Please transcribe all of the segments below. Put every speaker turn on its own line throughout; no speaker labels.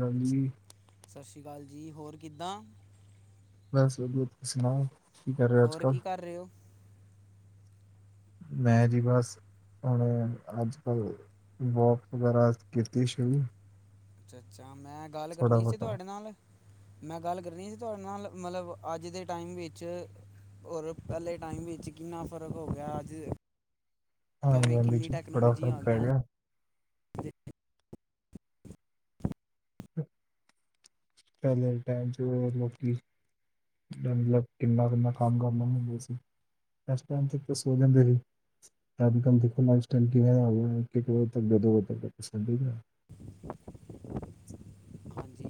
ਹਾਂਜੀ
ਸਤਿ ਸ਼੍ਰੀ ਅਕਾਲ ਜੀ, ਹੋਰ ਕਿੱਦਾਂ
ਬਸ ਵਧੀਆ ਤੁਸੀਂ ਸੁਣਾਓ ਕੀ ਕਰ ਰਹੇ ਹੋ ਅੱਜ
ਹੋਰ
ਕੱਲ
ਕੀ ਕਰ ਰਹੇ ਹੋ?
ਮੈਂ ਜੀ ਬਸ ਉਹਨੇ ਅੱਜ -ਕੱਲ ਵੋਕ ਵਗੈਰਾ ਕੀਤੀ ਸੀ
ਅੱਛਾ, ਅੱਛਾ ਮੈਂ ਗੱਲ ਕਰਨੀ ਸੀ
ਬਹੁਤਾ
ਤੁਹਾਡੇ ਨਾਲ ਮੈਂ ਗੱਲ ਕਰਨੀ ਸੀ ਤੁਹਾਡੇ ਨਾਲ, ਮਤਲਬ ਅੱਜ ਦੇ ਟਾਈਮ ਵਿੱਚ ਔਰ ਪਹਿਲੇ ਟਾਈਮ ਵਿੱਚ ਕਿੰਨਾ ਫ਼ਰਕ ਹੋ ਗਿਆ ਅੱਜ
ਆਂਦੀ
ਕਿਵੇਂ
ਆਂਦੀ
ਕਿੰਨੀ
ਚ ਬੜਾ
ਟੈਕਨੋਲੋਜੀ
ਫ਼ਰਕ
ਆ
ਪੈ
ਗਈਆਂ
ਗਿਆ
ਤੇ
ਹਮ ਚੱਲ ਟਾਈਮ ਚ ਲੋਕੀ ਮਤਲਬ ਕਿੰਨਾ ਕਿੰਨਾ ਕੰਮ ਕਰਨਾ ਹੁੰਦੇ ਅ ਸੀਂ ਐਸ ਟਾਈਮ ਤੱਕ ਸੋ ਜਾਦੇ ਨੇ ਮ ਦੇਖੋ ਲਫਟਾਈਲ ਕਿ ਵੇ ਤੱਕ ਦੋ ਵੇੱਕ ਕ [unintelligible]
ਹਾਂਜੀ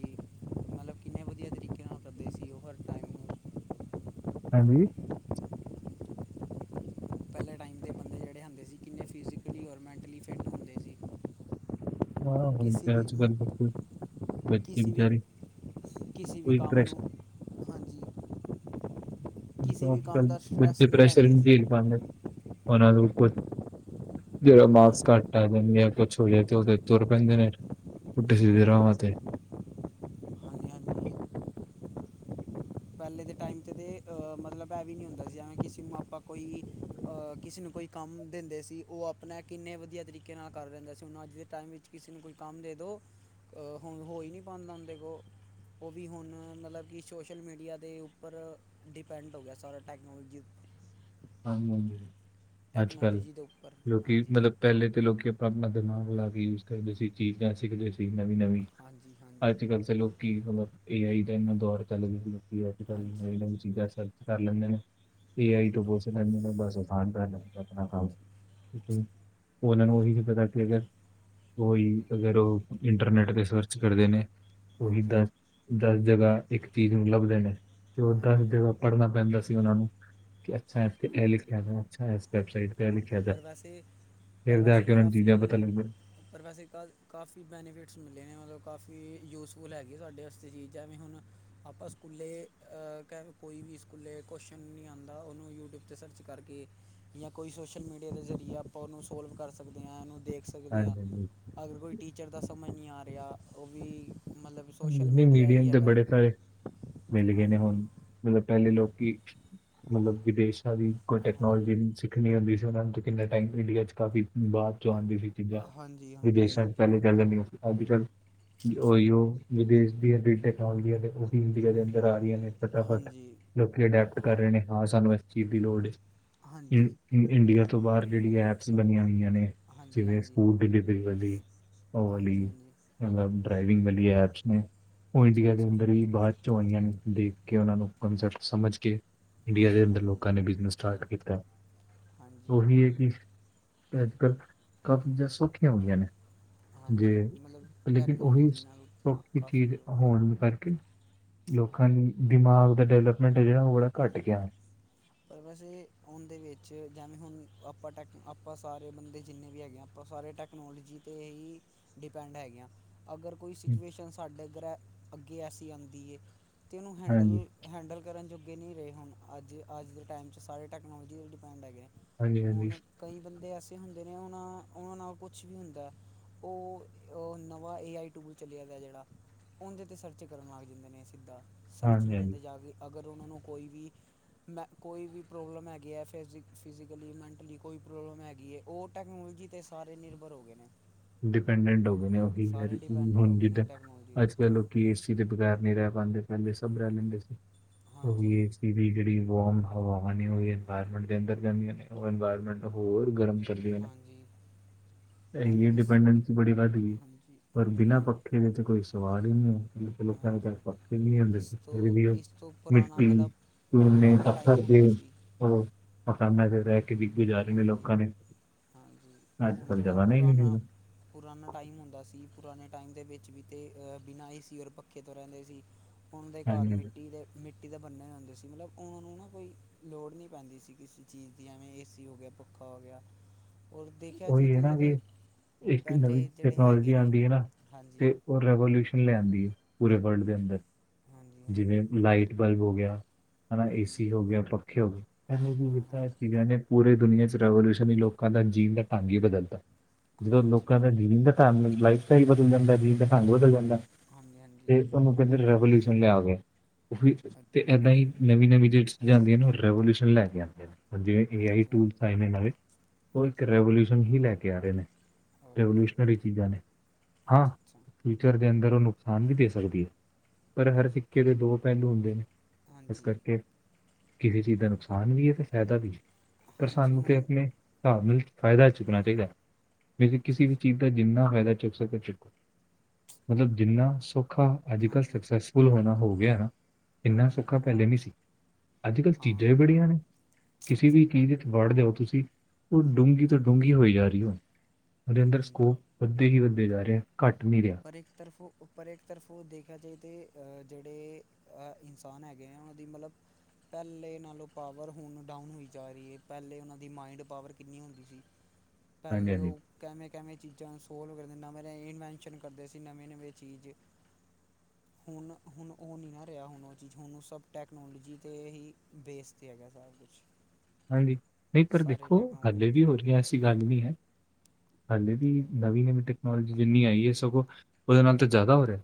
ਮਤਲਬ ਕਿੰਨੇ ਵਧੀਆ ਤਰੀਕੇ ਨਾਲ ਕਰਦੇ ਸੀ ਉਹ ਹਰ ਟਾਈਮ ਨੂੰ
ਹਾਂਜੀ
ਅਸੀ ਕਿੰਨੇ ਫਿਜ਼ਕਲੀ ਔਰ ਮੈਂਟਲੀ ਫਿੱਟ ਹੁੰਦੇ ਸੀ
ਹਾਂ ਹੁਣ
ਕਿਸੀ
ਤੇ
ਵੀ,
ਅੱਜ ਕੱਲ ਬੱਚੇ
ਕਿਸੀ ਵੀ
ਵਿਚਾਰੇ
ਕਿਸੇ ਵੀ
ਕੋਈ
ਕੰਮ
ਪ੍ਰੈਸ਼ਰ
ਨੂੰ, ਹਾਂਜੀ ਕਿਸੇ ਵੀ
ਅੱਜ
ਕੰਮ
-ਕਲ
ਦਾ ਸਟ੍ਰੈਸ
ਬੱਚੇ [unintelligible]
ਨਹੀਂ
ਪ੍ਰੈਸ਼ਰ
ਲੈਂਦੇ ਸੀ
ਦੇ ਪ ਉਹਨਾਂ ਲਕ ਜਿਹੜਾ
ਹਾਂ
ਮਾਸਕ ਘੱਟ ਆ ਜਾਂਦੀ ਜਾਂ ਕੁਛ ਹੋ ਜਾਏ ਤੇ ਉਹ ਤੁਰ ਪੈਂਦੇ ਨੇ ਪੁੱਠੇ ਸਿੱਧੇ
ਹਾਂਜੀ
ਰਾਹਾਂ ਤੇ
ਹਾਂਜੀ ਹਾਂਜੀ ਪਹਿਲੇ ਦੇ ਟਾਈਮ 'ਚ ਤਾਂ ਮਤਲਬ ਇਹ ਵੀ ਨਹੀਂ ਹੁੰਦਾ ਸੀ ਜਿਵੇਂ ਕਿਸੇ ਨੂੰ ਮਾਂ ਆਪਾ ਕੋਈ ਕਿਸੇ ਨੂੰ ਕੋਈ ਕੰਮ ਦਿੰਦੇ ਸੀ ਉਹ ਆਪਣਾ ਕਿੰਨੇ ਵਧੀਆ ਤਰੀਕੇ ਨਾਲ ਕਰ ਰਹਿੰਦਾ ਸੀ ਔਰ ਅੱਜ ਦੇ ਟਾਈਮ ਵਿੱਚ ਕਿਸੇ ਨੂੰ ਕੋਈ ਕੰਮ ਦੇ ਦਿਉ ਹੋ ਹੀ ਨਹੀਂ ਪਾਉਂਦਾ ਉਹਦੇ ਕੋਲ ਉਹ ਵੀ ਹੁਣ ਮਤਲਬ ਕਿ ਸੋਸ਼ਲ ਮੀਡੀਆ ਦੇ ਉੱਪਰ, ਡਿਪੈਂਡ ਹੋ ਗਿਆ ਸਾਰਾ ਟੈਕਨੋਲੋਜੀ
ਹਾਂਜੀ- ਹਾਂਜੀ ਅੱਜ ਕੱਲ
ਟੈਕਨੋਲੋਜੀ ਦੇ ਉੱਪਰ
ਲੋਕੀ
ਹਾਂਜੀ
ਮਤਲਬ ਪਹਿਲੇ ਤੇ ਲੋਕੀ ਆਪਾਂ ਆਪਣਾ ਦਿਮਾਗ ਲਾ ਕੇ ਯੂਜ ਕਰਦੇ ਸੀ ਚੀਜ਼ਾਂ ਸਿੱਖਦੇ ਸੀ ਨਵੀਂ -ਨਵੀਂ
ਹਾਂਜੀ ਹਾਂਜੀ
ਅੱਜ ਕੱਲ੍ਹ ਤਾਂ ਲੋਕੀ ਮਤਲਬ ਏ ਆਈ ਦਾ ਇੰਨਾ ਦੌਰ ਚੱਲ ਗਿਆ ਅੱਜ ਕੱਲ੍ਹ
ਹਾਂਜੀ
ਨਵੀਂ-ਨਵੀਂ ਚੀਜ਼ਾਂ ਸਰਚ ਕਰ ਲੈਂਦੇ ਨੇ ਏ ਆਈ
ਹਮ,
ਤੋਂ
ਪ-
ਬਹੁਤ ਸਾਰੇ ਬਸ ਆਪਣਾ ਕੰ
ਹਾਂਜੀ
ਠੀਕ ਜ ਉਹਨਾਂ
ਹਾਂਜੀ
ਨੂੰ ਉਹੀ [unintelligible]
ਹਾਂਜੀ
ਅਗਰ ਉਹੀ ਅਗਰ ਉਹ ਇੰਟਰਨੈਟ ਤੇ ਸਰਚ ਕਰਦੇ ਨੇ ਉਹੀ
ਹਾਂਜੀ
ਦਸ, ਦਸ ਜਗ੍ਹਾ ਇੱਕ ਚੀਜ਼ ਨੂੰ ਲੱਭਦੇ ਨੇ ਤੇ ਉਹ ਦਸ
ਹਾਂਜੀ
ਜਗ੍ਹਾ
ਹਾਂਜੀ
ਪੜ੍ਹਨਾ ਪੈਂਦਾ ਸੀ ਉਹਨਾਂ ਨੂੰ [inaudible] ਲਿਖਿਆ
ਹਾਂਜੀ
ਅੱਛਾ ਵੈਬਸਾਈਟ ਤੇ ਏ
ਹਾਂਜੀ
ਲਿਖਿਆ ਤਾਂ ਫਿਰ ਜਾ ਕੇ ਉਹਨਾਂ ਨੂੰ ਚੀਜ਼ਾਂ ਪਤਾ ਲੱਗ
ਪਰ ਵੈਸੇ ਕਾ ਕਾਫੀ ਬੈਨੀਫਿਟਸ ਮਿਲੇ ਨੇਂ, ਮਤਲਬ ਕਾਫੀ ਯੂਜਫੁਲ ਹੈਗੇ ਤੁਆਡੇ ਵਾਸਤੇ ਚੀਜ਼ ਹੈਵੇਂ ਹੁਣ ਆਪਾਂ ਸਕੂਲੇ ਅ ਕੋਈ ਵੀ ਸਕੂਲੇ ਕੁਸ਼ਚਨ ਨਈਂ ਆਉਂਦਾ ਉਹਨੂੰ ਯੂਟਿਊਬ ਤੇ ਸਰਚ ਕਰਕੇ ਜਾਂ ਕੋਈ ਸੋਸ਼ਲ ਮੀਡੀਆ ਦੇ ਜ਼ਰੀਏ ਆਪਾਂ ਉਹਨੂੰ ਸੋਲਵ ਕਰ ਸਕਦੇ ਆਂ, ਉਹਨੂੰ ਦੇਖ ਸਕਦੇ ਆਂ।
ਹਾਂਜੀ ਹਾਂਜੀ।
ਅਗਰ ਕੋਈ ਟੀਚਰ ਦਾ ਸਮਝ ਨਈਂ ਆ ਰਿਹਾ, ਉਹ ਵੀ ਮਤਲਬ
ਨਈ
ਸੋਸ਼ਲ
ਨਈਂ,
ਮੀਡੀਆ ਹੀ
ਮੀਡੀਅਮ ਤੇ
ਹੈਗਾ
ਬੜੇ ਸਾਰੇ ਮਿਲ ਗਏ ਨੇਂ
ਹਾਂਜੀ
ਹੁਣ, ਮਤਲਬ ਪਹਿਲੇ ਲੋਕੀ [unintelligible] ਮਤਲਬ ਵਿਦੇਸ਼ਾਂ ਦੀ ਕੋਈ
ਹਾਂਜੀ
ਟੈਕਨੋਲੋਜੀ ਸਿੱਖਣੀ ਹੁੰਦੀ ਸੀ, ਉਹਨਾਂ ਨੂੰ ਕਿੰਨਾ ਟਾਈਮ ਇੰਡੀਆ ਚ ਕਾਫੀ ਬਾਅਦ ਚੋਂ ਆਉਂਦੀ ਸੀ।
ਹਾਂਜੀ
[inaudible] ਵਿਦੇਸ਼ਾਂ
ਹਾਂਜੀ
ਚ ਪਹਿਲੇ ਚੱਲਦਾ ਸੀ ਅੱਜ ਕੱਲ ਉਹੀਓ ਵਿਦੇਸ਼ ਦੀਆ ਟੈਕਨੋਜੀ ਨੇਂ ਉਹ ਇੰਡੀਆ ਦੇ ਆ ਰਹੀਆਂ ਨੇਂ ਫਟਾਫਟ,
ਹਾਂਜੀ
ਲੋਕ ਅਡੈਪਟ
ਹਾਂ-
ਕਰ ਰਹੇ ਨੇਂ, ਹਾਂ ਸਾਨੂੰ ਇਸ ਚੀਜ਼ ਦੀ ਲੋੜ ਏ ਇੰ
ਹਾਂਜੀ
ਇੰਡੀਆ ਤੋਂ ਬਾਹਰ ਜਿਹੜੀਆਂ ਐਪਸ ਬਣੀਆਂ ਹੋਈਆਂ ਨੇਂ।
ਹਾਂਜੀ
ਜਿਵੇਂ
ਹਾਂਜੀ
ਫੂਡ ਡਿਲੀਵਰੀ ਵਾਲੀ, ਉਹ ਵਾਲੀ
ਹਾਂਜੀ ਹਾਂਜੀ
ਮਤਲਬ ਡਰਾਈਵਿੰਗ ਵਾਲੀ ਐਪਸ ਉਹ
ਅੱਛਾ
ਇੰਡੀਆ ਦੇ
ਅੱਛਾ
ਅੰਦਰ ਵੀ ਬਾਅਦ ਚੋਂ ਆਈਆਂ ਨੇਂ, ਦੇਖ ਕੇ ਉਹਨਾਂ ਨੂੰ, ਕੰਸੈਪਟ ਸਮਝ ਕੇ। ਇੰਡੀਆ ਦੇ
ਹਾਂਜੀ
ਅੰਦਰ
ਹਾਂਜੀ
ਲੋਕਾਂ ਨੇਂ ਬਿਜਨਸ ਸਟਾਰਟ ਕੀਤਾ।
ਹਾਂਜੀ
ਉਹੀ ਐ ਕਿ ਅੱਜ-ਕੱਲ੍ਹ ਕਾਫੀ ਚੀਜ਼ਾਂ ਸੌਖੀਆਂ ਹੋਈਆਂ ਨੇਂ।
ਹਾਂਜੀ
ਜੇ
ਮਤਲਬ
ਲੇਕਿਨ ਉਹੀ
ਟੈਕਨੋਲੋਜੀ ਨਾਲ
[unintelligible] ਚੀਜ਼
ਕਾਫੀ ਉਹ-
ਹੋਣ ਕਰਕੇ ਲੋਕਾਂ ਦੀ ਦਿਮਾਗ ਦਾ ਡਿਵਲਪਮੈਂਟ ਐ ਜਿਹੜਾ ਉਹ ਬੜਾ ਘੱਟ
ਹਾਂਜੀ।
ਗਿਆ
ਪਰ ਵੈਸੇ ਆਉਣ ਦੇ ਵਿੱਚ ਜਿਵੇਂ ਹੁਣ ਆਪਾਂ ਟੈਕ, ਆਪਾਂ ਸਾਰੇ ਬੰਦੇ ਜਿੰਨੇ ਵੀ ਹੈਗੇ ਆਂ, ਆਪਾਂ ਸਾਰੇ ਟੈਕ ਟੈਕਨੋਲਜੀ ਤੇ ਹੀ ਡਿਪੈਂਡ ਹੈਗੇ ਆਂ। ਅਗਰ ਕੋਈ
ਹਾਂਜੀ
ਸਿਚੁਏਸ਼ਨ ਸਾਡੇ ਘਰ ਅੱਗੇ ਐਸੀ ਆਂਦੀ ਐ ਅਤੇ ਉਹਨੂੰ ਹੈਂਡਲ
ਹਾਂਜੀ
ਹੈਂਡਲ ਕਰਨ ਜੋ ਅੱਗੇ ਨਈਂ ਰਹੇ ਹੁਣ ਅੱਜ, ਅੱਜ ਦੇ ਟਾਈਮ ਚ ਸਾਰੇ ਟੈਕਨੋਲਜੀ ਦੇ ਡਿਪੈਂਡ ਹੈਗੇ।
ਹਾਂਜੀ ਹਾਂਜੀ
ਹੁਣ ਕਈ ਬੰਦੇ ਐਸੇ ਹੁੰਦੇ ਨੇਂ ਉਹਨਾਂ ਉਹਨਾਂ ਨਾਲ ਕੁਛ ਵੀ ਹੁੰਦਾ ਉਹ, ਉਹ ਨਵਾਂ ਏ ਆਈ ਟੂਲ ਚਲਿਆ ਦਾ ਜਿਹੜਾ ਉਹਂਦੇ ਤੇ ਸਰਚ ਕਰਨ ਲੱਗ ਜਾਂਦੇ ਨੇਂ, ਸਰਚਿੰਗ
ਹਾਂਜੀ
ਤੇ ਜਾ ਕੇ ਅਗਰ ਉਹਨਾਂ ਨੂੰ ਕੋਈ ਵੀ ਮੈਂ ਕੋਈ ਵੀ ਪ੍ਰੋਬਲਮ ਹੈਗੀ ਏ, ਫਿਜ਼ ਫਿਜੀਕਲੀ, ਮੈਂਟਲੀ ਕੋਈ ਪ੍ਰੋਬਲਮ ਹੈਗੀ ਏ ਉਹ ਟੈਕਨੋਲੋਜੀ ਤੇ ਸਾਰੇ ਨਿਰਭਰ ਹੋ ਗਏ ਨੇਂ।
ਡਿਪੈਂਡੈਂਟ ਹੋ ਗਏ ਨੇਂ, ਉਹੀ ਹੈ
ਡਿਪੈਂਡਡ ਹੋ
ਹੁਣ
ਗਏ ਨੇ
ਜਿੱਦਾਂ,
ਟੈਕਨੋਲੋਜੀ 'ਤੇ
ਅੱਜ-ਕੱਲ੍ਹ ਕਿ ਏਸੀ ਦੇ ਬਗੈਰ ਨਈਂ ਰਹਿ ਪਾਂਦੇ, ਪਹਿਲੇ ਸਭ ਰਹਿ ਲੈਂਦੇ ਸੀ। ਉਹ ਹੀ
ਹਾਂਜੀ
ਏ ਦੀ ਜਿਹੜੀ ਵਾਰਮ ਹਵਾਵਾਂ ਨੇਂ, ਉਹ ਇਨਵਾਰਮੈਂਟ ਦੇ ਅੰਦਰ ਜਾਂਦੀਆਂ ਨੇਂ, ਉਹ ਇਨਵਾਇਰਮੈਂਟ ਹੋਰ ਗਰਮ ਸਤਿ ਸ੍ਰੀ ਅਕਾਲ।
ਹਾਂਜੀ ਹੁਣ
[unintelligible]
ਇਸ
ਡਿਪੇੰਡਨਸੀ ਬੜੀ ਵੱਧ ਗਈ।
ਹਾਂਜੀ
ਪਰ
ਹਾਂਜੀ
ਬਿਨਾਂ
ਹੁਣ
ਪੱਖੇ ਦੇ ਕੋਈ ਸਵਾਲ ਹੀ ਨਈਂ ਏ। ਮੈਂ ਚਲੋ ਲੋਕਾਂ ਦੇ ਘਰ ਪੱਖੇ ਨਈਂ
ਹਾਂਜੀ
ਹੁੰਦੇ
ਇਸ
ਸੀ, ਫਿਰ
ਤੋਂ
ਵੀ ਉਹ
ਇਸ ਤੋਂ
[unintelligible]
ਪੁਰਾਣਾ ਜਿਹੜਾ
ਮਿੱਟੀ। ਨੇਂ
ਪੁਰਾਣਾ ਟਾਈਮ
ਪੱਥਰ ਦੇ,
ਹੁੰਦਾ ਸੀ
ਉਹ, ਮਕਾਨਾਂ ਤੇ ਰਹਿ ਕੇ ਕੇ ਬੀਗੂ ਜਾ ਰਹੇ ਨੇਂ
ਹਾਂਜੀ
ਲੋਕਾਂ ਨੇਂ,
ਹਾਂਜੀ ਹੁਣ
ਅੱਜ-ਕੱਲ
ਜਿਹੜਾ
ਜਗ੍ਹਾ ਨਈਂ
ਪੁਰਾਣਾ
ਐ।
ਪੁਰਾਣਾ ਟਾਈਮ ਹੁੰਦਾ ਸੀ। ਪੁਰਾਣੇ ਟਾਈਮ ਦੇ ਵਿੱਚ ਵੀ ਤੇ, ਬਿਨਾਂ ਏਸੀ ਔਰ ਪੱਖੇ ਤੋਂ ਰਹਿੰਦੇ ਸੀ। ਹੁਣ ਦੇ ਘਰ
ਹਾਂਜੀ ਹਾਂਜੀ
ਮਿੱਟੀ ਦੇ। ਮਿੱਟੀ ਦੇ ਬਣੇ ਹੁੰਦੇ ਸੀ। ਮਤਲਬ ਉਹਨਾਂ ਕੋਈ ਲੋੜ ਨਈ ਪੈਂਦੀ ਸੀ ਕਿਸੇ ਚੀਜ਼ ਦੀ ਐਵੇਂ ਇਸ ਏਸੀ ਹੋ ਗਿਆ, ਪੱਖਾ ਹੋ ਗਿਆ। ਔਰ ਦੇਖਿਆ
ਉਹੀ ਹੈ
ਜੀਦੇ
ਨਾ ਕਿ
ਜਿਹੜੇ,
ਇੱਕ ਨਵੀਂ
ਪਹਿਲੇ ਜਿਹੜੇ
ਟੈਕਨੋਲੋਜੀ
ਹੈਗੇ ਨੇਂ
ਆਉਂਦੀ ਹੈ ਨਾ
ਹਾਂਜੀ।
ਤੇ ਉਹ ਰੈਵੋਲਿਊਸ਼ਨ ਲਿਆਂਦੀ। ਪੂਰੇ ਵਰਲਡ ਦੇ ਅੰਦਰ।
ਹਾਂਜੀ ਹਾਂਜੀ
ਜਿਵੇਂ ਲਾਈਟ ਬਲਬ ਹੋ ਗਿਆ ਹਨਾ,
ਹਾਂਜੀ
ਏਸੀ ਹੋ ਗਿਆ, ਪੱਖੇ ਹੋ ਗਏ। ਇਹ ਕੀ
ਹਾਂ
ਕੀਤਾ
ਹਾਂ
ਇਹਨਾਂ ਨੇਂ, ਪੂਰੇ ਦੁਨੀਆਂ ਚ ਰਵੋਲਊਸ਼ਨ ਲੋਕਾਂ ਦਾ ਜੀਨ ਦਾ ਢੰਗ ਹੀ ਬਦਲਤਾ। ਜਦੋਂ ਲੋਕਾਂ ਦਾ
ਹਾਂਜੀ
ਜੀਨ ਦਾ ਢੰਗ, ਲਾਈਫ ਸਟਾਈਲ ਬਦਲ ਜਾਂਦਾ, ਜੀਨ ਦਾ ਢੰਗ ਬਦਲ ਜਾਂਦਾ।
ਹਾਂਜੀ ਹਾਂਜੀ।
ਤੇ ਉਹਨੂੰ ਕਹਿੰਦੇ ਰੈਵੋਲਿਊਸ਼ਨ ਲਿਆ ਗਿਆ ਤੇ
ਅੱ-
ਏਦਾਂ ਹੀ
ਹਮ,
ਨਵੀਂ
ਹਾਂਜੀ
ਨਵੀਂ। ਜਾਂਦੀਆਂ ਨੇ ਉਹ ਰੈਵੋਲਿਊਸ਼ਨ ਲੈ ਕੇ ਆਉਂਦੀਆਂ ਨੇ ਜਿਵੇਂ ਕਿ ਏ ਆਈ
ਹਾਂਜੀ
ਟੂਲਸ ਆਏ ਨੇ ਨਵੇ
ਹਾਂਜੀ
ਉਹ ਇੱਕ
ਹਾਂਜੀ
ਰਵੋਲਿਊਸ਼ਨ। ਨਵੀਂ ਹੀ ਲੈ ਕੇ ਆ ਰਹੇ ਨੇ
ਓਕੇ
ਰਵੋਲਊਸ਼ਨਰੀ। ਚੀਜ਼ਾਂ ਨੇ ਹਾਂ।
ਅੱਛਾ ਅੱਛਾ
ਫਿਊਚਰ ਦੇ ਅੰਦਰ ਉਹ ਨੁਕਸਾਨ ਵੀ ਦੇ ਸਕਦੀ ਹੈ। ਪਰ ਹਰ ਸਿੱਕੇ ਦੇ ਦੋ ਪਹਿਲੂ ਹੁੰਦੇ ਨੇ ਇਸ
ਹਾਂਜੀ
ਕਰਕੇ। ਕਿਸੇ ਚੀਜ਼ ਦਾ ਨੁਕਸਾਨ ਵੀ ਹੈ, ਤੇ ਫਾਇਦਾ ਵੀ ਹੈ। ਪਰ
ਹਾਂਜੀ
ਸਾਨੂੰ ਤੇ
ਹੁਣ
ਆਪਣੇ। ਹਿਸਾਬ ਨਾਲ ਹੀ ਫਾਇਦਾ ਚੁੱਕਣਾ ਚਾਹੀਦਾ ਹੈ। ਕਿਉਕਿ
ਅੱਛਾ
ਕਿਸੇ ਵੀ
ਅੱਛਾ
ਚੀਜ਼। ਦਾ ਜਿੰਨਾ ਫਾਇਦਾ ਚੁੱਕ ਸਕੇ ਚੁੱਕੋ ਮਤਲਬ ਜਿੰਨਾ ਸੌਖਾ ਅੱਜ ਕੱਲ੍ਹ।
ਹਾਂਜੀ
ਸਕੂਲਬਣਾ ਹੋਣਾ ਹੋ ਗਿਆ ਨਾ ਇੰਨਾ
ਹਾਂਜੀ
ਸੌਖਾ ਪਹਿਲੇ ਨੀ ਸੀ। ਅੱਜ ਕੱਲ੍ਹ
ਹਾਂ
ਚੀਜ਼ਾਂ ਹੀ ਬੜੀਆਂ ਨੇ ਕਿਸੇ ਵੀ ਕੀ ਵਰਡ ਦਿਓ ਤੁਸੀ। ਉਹ ਡੂੰਘੀ ਤੋਂ
ਹਾਂਜੀ
ਡੂੰਘੀ ਹੋਈ ਜਾ ਰਹੀ ਹੈ। ਉਹਦੇ ਅੰਦਰ ਸਕੋਪ।
ਹਾਂਜੀ
ਵੱਧਦੇ ਹੀ ਵੱਧਦੇ ਜਾ ਰਹੇ ਘੱਟ ਨਹੀਂ ਰਿਹਾ।
ਪਰ ਇੱਕ ਤਰਫੋਂ ਪਰ ਇੱਕ ਤਰਫੋਂ ਦੇਖਿਆ ਜਾਵੇ ਤਾਂ ਜਿਹੜੇ। ਇਨਸਾਨ ਹੈਗੇ ਹੈ। ਉਹ ਦੀ ਮਤਲਬ। ਪਹਿਲੇ ਨਾਲੋਂ ਪਾਵਰ ਹੁਣ ਡਾਊਨ ਹੋਈ ਜਾ ਰਹੀ ਹੈ। ਪਹਿਲੇ ਉਹਨਾਂ ਦੀ ਮਾਇੰਡ ਪਾਵਰ ਕਿੰਨੀ ਹੁੰਦੀ ਸੀ।
ਹੂੰ।
ਪਹਿਲੇ ਉਹ ਕਿਵੇਂ ਕਿਵੇਂ ਚੀਜ਼ਾਂ ਸੋਲਵ ਕਰ ਦਿੰਦਾ ਇਨਵੈਸ਼ਨ। ਕਰਦੇ ਸੀ ਨਵੇਂ ਨਵੇਂ ਚੀਜ਼। ਹੁਣ ਹੁਣ ਉਹ ਨਹੀਂ ਨਾ ਰਿਹਾ ਹੁਣ ਉਹ ਚੀਜ਼ ਹੁਣ ਸਭ ਟੈਕਨੋਲੋਜੀ 'ਤੇ ਹੀ ਬੇਸ 'ਤੇ ਹੈਗਾ ਸਾਰਾ ਕੁਛ।
ਹਾਂਜੀ ਨਹੀਂ ਪਰ
ਸਾਰੇ
ਦੇਖੋ
ਟੈਕਨੋਲੋਜੀ
ਹਲੇ ਵੀ
'ਤੇ
ਹੋ ਰਹੀ ਹੈ। ਐਸੀ ਗੱਲ ਨਹੀਂ ਹੈ। ਹਾਲੇ ਵੀ ਨਵੀਂ ਨਵੀਂ ਟੈਕਨੋਲੋਜੀ ਜਿੰਨੀ ਆਈ ਹੈ। ਸਗੋਂ ਉਹਦੇ ਨਾਲ ਤਾਂ ਜ਼ਿਆਦਾ ਹੋ ਰਿਹਾ।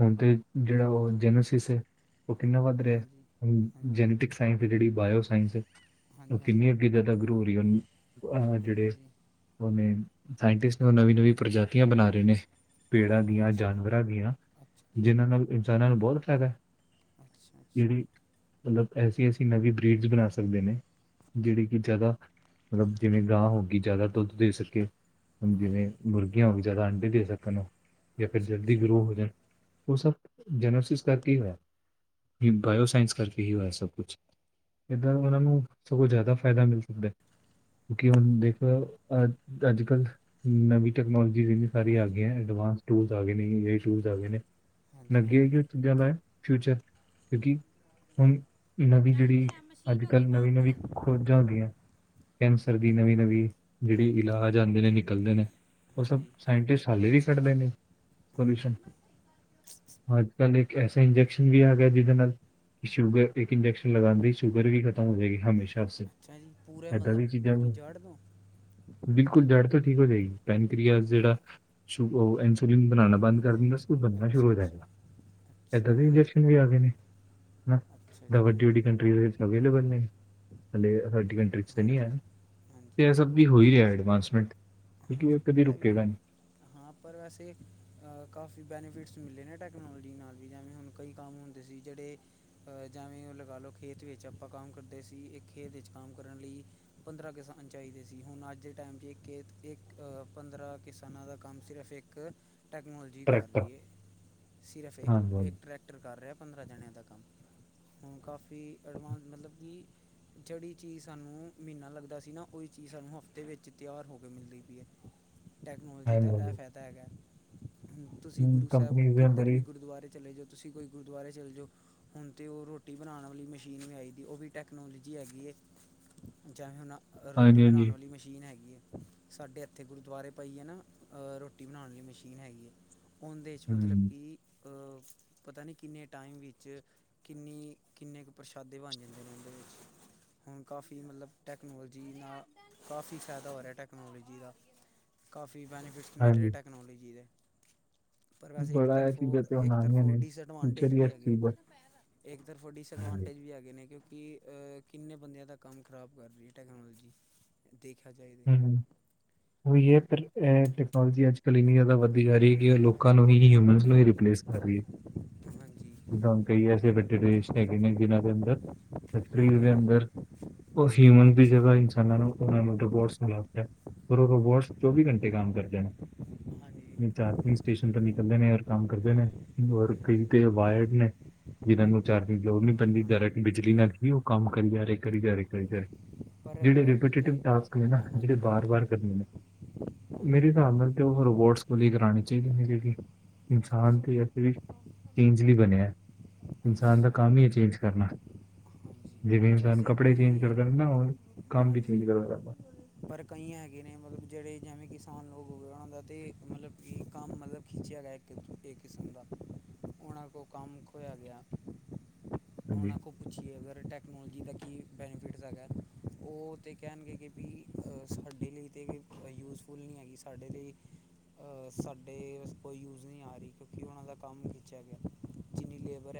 ਹੁਣ ਤੇ ਜਿਹੜਾ ਉਹ ਜੈਨੋਸਿਸ ਹੈ। ਉਹ ਕਿੰਨਾ ਵੱਧ ਰਿਹਾ
ਹਾਂਜੀ
ਹੈ।
ਹਾਂਜੀ
ਜੈਨੇਟਿਕ ਸਾਇੰਸ ਜਿਹੜੀ ਬਾਇਓ ਸਾਇੰਸ ਹੈ। ਉਹ
ਹਾਂਜੀ
ਕਿੰਨੇ
ਹਾਂਜੀ
ਅੱਗੇ ਜ਼ਿਆਦਾ ਗ੍ਰੋ ਹੋ ਰਹੀ ਹੈ। ਹੁਣ ਅਹ ਜਿਹੜੇ।
ਹਾਂਜੀ
ਉਹਨੇ ਸਾਇੰਟਿਸਟ ਉਹ ਨਵੀਂ ਨਵੀਂ ਪ੍ਰਜਾਤੀਆਂ ਬਣਾ ਰਹੇ ਨੇ। ਪੇੜਾਂ ਦੀਆਂ,
ਅੱਛਾ
ਜਾਨਵਰਾਂ ਦੀਆਂ,
ਅੱਛਾ ਜੀ
ਜਿਹਨਾਂ ਨਾਲ ਇਨਸਾਨਾਂ ਨੂੰ ਬਹੁਤ ਫਾਇਦਾ ਹੈ।
ਅੱਛਾ ਅੱਛਾ
ਜਿਹੜੀ ਮਤਲਬ ਐਸੀ ਐਸੀ ਨਵੀਂ ਬ੍ਰਿਡ ਬਣਾ ਸਕਦੇ ਨੇ। ਜਿਹੜੀ ਕਿ ਜ਼ਿਆਦਾ ਮਤਲਬ ਜਿਵੇਂ ਗਾਂ ਹੋ ਗਈ ਜ਼ਿਆਦਾ ਦੁੱਧ ਦੇ ਸਕੇ। ਮਤਲਬ ਜਿਵੇਂ
ਹਾਂਜੀ
ਮੁਰਗੀਆਂ ਹੋਣ ਜ਼ਿਆਦਾ ਅੰਡੇ ਦੇ ਸਕਣ ਜਾਂ ਫਿਰ
ਅੱਛਾ
ਜਲਦੀ
ਅੱਛਾ
ਗਰੋ ਹੋ ਜਾਣ। ਉਹ ਸਭ ਜੈਨੋਸਿਸ ਕਰਕੇ ਹੈ। ਵੀ ਬਾਇਓ ਸਾਇੰਸ ਕਰਕੇ ਹੀ ਹੋਇਆ ਸਭ ਕੁਛ ਇੱਦਾਂ ਉਹਨਾਂ ਨੂੰ। ਸਗੋਂ ਜ਼ਿਆਦਾ ਫ਼ਾਇਦਾ ਮਿਲ ਸਕਦਾ ਹੈ। ਕਿਉਂਕਿ ਹੁਣ ਦੇਖ ਅ ਅੱਜ ਕੱਲ੍ਹ ਨਵੀਂ ਟੈਕਨੋਲਜੀ। ਸਾਰੀਆਂ ਆ
ਹਾਂਜੀ
ਗਈਆਂ ਐਡਵਾਂਸ ਟੂਲਸ ਆ ਗਏ ਨੇ ਏ ਆਈ ਟੂਲ ਆ ਗਏ
ਹਾਂਜੀ
ਨੇੱਗੇ
ਹਾਂਜੀ
ਚੀਜ਼ਾਂ ਲਾਏ ਫਿਊਚਰ ਕਿਉਂਕਿ ਹੁਣ ਨਵੀਂ
ਚੱਲ
ਜਿਹੜੀ
ਗਿਆ
ਅੱਜ
ਮਸ਼ੀਨ ਹੋ ਗਈ
ਕੱਲ੍ਹ ਨਵੀਂ
ਬੰਦ
ਨਵੀਂ ਖੋਜਾਂ ਹੁੰਦੀਆਂ ਕੈਂਸਰ ਦੀ
ਹਾਂਜੀ
ਨਵੀਂ ਨਵੀਂ ਜਿਹੜੀ
ਹਾਂਜੀ ਹਾਂਜੀ
ਇਲਾਜ ਆਉਂਦੇ ਨੇ ਨਿਕਲਦੇ ਨੇ ਉਹ ਸਭ
ਹਾਂਜੀ
ਸਾਇੰਟਿਸਟ ਹਾਲੇ ਵੀ ਕੱਢਦੇ ਨੇ ਸੋਲਿਊਸ਼ਨ
ਹਾਂਜੀ
ਅੱਜ ਕੱਲ੍ਹ ਇੱਕ ਐਸਾ ਇੰਜੈਕਸ਼ਨ ਵੀ ਆ ਗਿਆ ਜਿਹਦੇ ਨਾਲ ਕਿ ਸ਼ੂਗਰ ਇੱਕ ਇੰਜੈਕਸ਼ਨ ਲਗਾਉਂਦੇ ਸ਼ੂਗਰ ਵੀ ਖਤਮ ਹੋ ਜਾਏਗੀ ਹਮੇਸ਼ਾ
ਅੱਛਾ ਜੀ ਪੂਰੇ
ਐਦਾਂ
ਮਤਲਬ
ਦੀ ਚੀਜ਼ਾਂ
ਪੂਰੀ
ਵੀ
ਜਾੜ੍ਹ ਤੋਂ
ਬਿਲਕੁਲ ਜੜ੍ਹ ਤੋਂ ਠੀਕ ਹੋ ਜਾਏਗੀ ਪੈਨਕ੍ਰਆ ਜਿਹੜਾ ਸਨ ਬਣਾਉਣਾ ਬੰਦ ਕਰ ਦਿੰਦਾ ਸਕੂ ਬਣਉਣਾ ਸ਼ੁਰੂ
ਅੱਛਾ
ਹੋ
ਅੱਛਾ
ਜਾਏਗਾ ਇਏਦਾਂ
ਅੱਛਾ
ਦੇ ਇੰਜੈਕਸ਼ਨ ਵੀ ਆ ਗਏ ਨੇ
ਅੱਛਾ
ਹਨਾਾਂ
ਜੀ
ਵੱਡੀ ਵੱਡੀ
ਹਾਂਜੀ
ਕੰਟਰੀ ਦੇ ਵਿੱਚ ਅਵੇਲੇਬਲ ਨੇ ਹਲੇ ਸਾਡੀ ਕੰਟ ਚ ਤਾਂ ਨਹੀਂ ਹੈ
ਹਾਂਜੀ
ਤੇ
ਹਾਂਜੀ
ਇਹ ਸਭ ਵੀ ਹੋ ਰਿਹਾ ਐਡਵਾਂਸਮੈਂਟ ਕਿਉਂਕਿ ਇਹ
ਹਾਂਜੀ
ਕਦੀ ਰੁਕੇਗਾ
ਵੀ
ਨੀ
ਹਾਂ ਪਰ ਵੈਸੇ ਕਾਫੀ ਬੈਨੀਫਿਟਸ ਮਿਲੇ ਨੇ ਟੈਕਨੋਲੋਜੀ ਨਾਲ ਵੀ ਜਿਵੇਂ ਹੁਣ ਕਈ ਕੰਮ ਹੁੰਦੇ ਸੀ ਜਿਹੜੇ ਅਹ ਜਵੇਂ ਉਹ ਲਗਾ ਲਓ ਖੇਤ ਵਿੱਚ ਆਪਾਂ ਕੰਮ ਕਰਦੇ ਸੀ ਇੱਕ ਖੇਤ ਵਿੱਚ ਕੰਮ ਕਰਨ ਲਈ ਪੰਦਰਾਂ ਕਿਸਾਨ ਚਾਹੀਦੇ ਸੀ ਹੁਣ ਅੱਜ ਦੇ ਟਾਈਮ 'ਚ ਇੱਕੇਤ ਇੱਕ ਪੰਦਰਾਂ ਕਿਸਾਨਾਂ ਦਾ ਕੰਮ ਸਿਰਫ਼ ਇੱਕ ਟੈਕਨੋਲੋਜੀ ਕਰ
ਟਰੈਕਟਰ
ਰਹੀਏ ਸਿਰਫ ਇੱਕ
ਹਾਂਜੀ,
ਟਰੈਕ ਟਕਟਰ ਕਰ ਰਿਹਾ ਪੰਦਰਾਂ ਜਣਿਆਂ ਦਾ ਕੰਮ ਹੁਣ ਕਾਫੀ ਐਡਵਾਂਸ ਮਤਲਬ ਕਿ ਜਿਹੜੀ ਚੀਜ਼ ਸਾਨੂੰ ਮਹੀਨਾ ਲੱਗਦਾ ਸੀ ਨਾ ਉਹੀ ਚੀਜ਼ ਸਾਨੂੰ ਹਫ਼ਤੇ ਵਿੱਚ ਤਿਆਰ ਹੋ ਮਿਲਦੀ ਪ ਹੈ ਟੈਕਨੋਲਜੀ
ਹਾਂਜੀ,
ਦਾ ਇਹ
ਹਾਂਜੀ,
ਫਾਇਦਾ ਹੈਗਾ ਤੁਸੀਂ
ਹਾਂਜੀ
ਗੁਰੂ ਸਾਹਿਬ
ਕੰਪਨੀਜ਼ ਦੇ ਅੰਦਰ
ਕਿੱਧਰ
ਹੀ
ਵੀ ਗੁਰਦੁਆਰੇ ਚਲੇ ਜਾਓ ਤੁਸੀਂ ਕੋਈ ਗੁਰਦੁਆਰੇ ਚਲੇ ਜਾਓ ਹੁਣ ਤਾਂ ਉਹ ਰੋਟੀ ਬਣਾਉਣ ਵਾਲੀ ਮਸ਼ੀਨ ਵੀ ਆਈ ਦੀ ਉਹ ਵੀ ਟੈਕਨੋਲੋਜੀ ਹੈਗੀ ਜਵੇਂ ਹੁਣ ਰੋਟੀ
ਹਾਂਜੀ, ਹਾਂਜੀ,
ਬਣਾਉਣ ਵਾਲੀ ਮਸ਼ੀਨ ਹੈਗੀ ਹੈ ਸਾਡੇ ਇੱਥੇ ਗੁਰਦੁਆਰੇ ਪਈ ਹੈ ਨਾ ਰੋਟੀ ਬਣਾਉਣ ਲਈ ਮਸ਼ੀਨ ਹੈਗੀ ਹੈ ਉਹਦੇ ਮਤਲਬ
ਹੂੰ,
ਕਿ ਪਤਾ ਨਹੀਂ ਕਿੰਨੇ ਟਾਈਮ ਵਿੱਚ ਕਿੰਨੀ ਕਿੰਨੇ ਕੁ ਪ੍ਰਸ਼ਾਦੇ ਬਣ ਜਾਂਦੇ ਨੇ ਉਹਦੇ ਵਿੱਚ ਹੁਣ ਕਾਫੀ ਮਤਲਬ ਟੈਕਨੋਲੋਜੀ ਨਾਲ ਕਾਫੀ ਫਾਇਦਾ ਹੋ ਰਿਹਾ ਟੈਕ ਟੈਕਨੋਲਜਜੀ ਦਾ ਕਾਫੀ ਬੈਨੀਫਿਟਸ ਮਿਲ ਰਹੇ
ਹਾਂਜੀ
ਟੈਕਨੋਲਜੀੀ ਦੇ ਪਰ ਵੈਸੇ ਇੱਕ
ਬੜਾ ਇਹ
ਤਰਫੋਂ
ਚੀਜ਼ਾਂ ਤੇ ਹੁਣ
ਇੱਕ
ਆਣੀਆਂ
ਤਰਫੋਂ
ਨੇ
ਡਿਸਐਡਵਾਂਟੇਜ
ਫਿਊਚਰ ਹੀ
ਵੀ
ਇਸ
ਹੈਗੇ
ਚੀਜ਼ ਦਾ
ਇੱਕ ਤਰਫੋਂ
ਹਾਂਜੀ,
ਡਿਸਐਡਵਾਂਟੇਜ ਵੀ ਹੈਗੇ ਨੇ ਕਿਉਕਿ ਕਿ ਕਿੰਨੇ ਬੰਦਿਆਂ ਦਾ ਕੰਮ ਖ਼ਰਾਬ ਕਰ ਰਹੀ ਹੈ ਟੈਕਨੋਲਜੀ ਦੇਖਿਆ ਜਾਏ ਤੇ
ਉਹੀ ਹੈ ਪਰ ਟੈਕਨੋਲੋਜੀ ਅੱਜ ਨੀ
ਸੌ
ਜ਼ਿਆਦਾ
ਕਿੱਥੇ
ਵੱਧਦੀ ਜਾ
ਸੋਣਾ
ਰਹੀ ਹੈ
ਜੀ
ਕਿਰ
ਸਾਰੇ
ਲੋਕਾਂ
ਕਿੱਥੇ
ਨੂੰ
ਸੋ
ਹੀ
ਜਾਣੇ
ਹਮਨ ਨੂੰ ਹੀ
ਆ।
ਰਿਪਲੇਸ ਕਰ ਰਹੀ ਹੈ
ਹਾਂਜੀ
ਜਦ ਕਈ ਐਸੇ ਬਟੇਟੇਨੈਕ ਨੇ ਜਿਨਾਂ ਦੇ ਅੰਦਰ ਫਰੀਰ
ਹਾਂਜੀ
ਦੇ
ਹਾਂਜੀ
ਅੰਦਰ ਉਹ ਹਿਊਮਨ ਦੀ
ਅੱਛਾ
ਜੜਾ ਇਨਸਾਨਾਂ ਨੂੰਓ ਫਰ ਉਹ ਰੋਬੋਟਸ ਚੌਵੀ ਘੰਟੇ ਕੰਮ ਕਰਦੇ ਨੇ
ਹਾਂਜੀ ਹਾਂਜੀ
ਚਾਰਜਿੰਗ ਸਟੇਸ਼ਨ ਤੇ ਨਿਕਲਦੇ ਨੇ ਔਰ ਕੰਮ ਕਰਦੇ ਨੇ ਔਰ ਕਈ ਤੇ ਵਾਇਰਡ ਨੇ ਜਿਹਨ੍ਹਾਂ ਨੂੰ ਚਾਰਜਿੰਗ ਲੋੜ ਨੀ ਪੈਂਦੀ ਜਾਾਰ
ਹਾਂਜੀ
ਬਿਜਲੀ ਨਾਲ ਹੀ ਉਹ ਕੰਮ ਕਰੀ ਜਾ ਰ ਕਰੀ ਜਾ ਰ ਕਰੀ ਜਾ ਰ
ਹਾਂਜੀ ਪਰ
ਜਿਹੜੇ
ਉਹ ਵੀ ਤੇ
ਰਿਪੀਟੇਟਿਵ ਟਾਸਕ ਨੇ ਨਾ ਜਿਹੜੇ
ਹਾਂਜੀ
ਬਾਰ ਬਾਰ
ਹਾਂਜੀ
ਕਰਨੇ ਨੇ ਮੇਰੇ
ਹਾਂਜੀ
ਹਿਸਾਬ ਨਾਲ ਤੇ ਉਹ ਰੋਬੋਟਸ ਵਲੀ ਕਰਾਉਣੀ ਚਾਹੀਦੀ ਨੇ ਜੀ
ਅੱਛਾ
ਇਨਸਾਨ
ਅੱਛਾ
ਤੇ ਐਸੇ ਵੀ ਚੇਂਜ ਲਈ ਬਣਿਆ ਇਨਸਾਨ ਦਾ
ਅੱਛਾ
ਕੰਮ ਹੀ
ਹਾਂਜੀ
ਹੈ ਚੇਂਜ ਕਰਨਾ ਜਿਵੇਂ
ਪਰ
ਇਨਸਾਨ
ਵੈਸੇ
ਕੱਪੜੇ ਚੇਂਜ
ਕਈ
ਕਰਦਾ ਨਾ ਉਹ ਕੰਮ ਵੀ ਚੇਂਜ
ਹਾਂਜੀ
ਕਰਦਾ
ਪਰ ਕਈ ਹੈਗੇ ਨੇ ਮਤਲਬ ਜਿਹੜੇ ਜਿਵੇਂ ਕਿਸਾਨ ਲੋਕ ਹੋ ਗਏ ਉਹਨਾਂ ਦਾ ਤਾਂ ਮਤਲਬ ਕਿ ਕੰਮ ਮਤਲਬ ਖਿੱਚਿਆ ਗਿਆ ਇਹ ਕਿਸਮ ਦਾ ਉਹਨਾਂ ਕੋਲ ਕੰਮ ਖੋਇਆ ਗਿਆ ਹੁਣ ਆ ਕੋੋ ਪੁੱਛਏ ਅਗਰ ਟੈਕਨੋਲਜੀ ਦਾ ਕੀ ਬੈਨੀਫਿਟ ਹੈਗਾ ਉਹ ਤਾਂ ਕਹਿਣਗੇ ਕਿ ਵੀ ਸਾਡੇ ਲਈ ਤਾਂ ਯੂਜਫੁੱਲ ਨਹੀਂ ਹੈਗੀ ਸਾਡੇ ਲਈ ਸਾਡੇਸ ਕੋਈ ਯੂਜ਼ ਨਹੀਂ ਆ ਰਹੀ ਕਿਉਂਕਿ ਉਹਨਾਂ ਦਾ ਕੰਮ ਖਿੱਚਿਆ ਗਿਆ ਜਿੰਨੀ ਲੇਵਰ ਹੈ